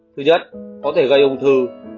thứ nhất có thể gây ung thư